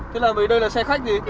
thế là mấy đôi là xe khách gì